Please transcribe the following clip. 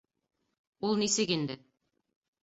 Ул нисек инде...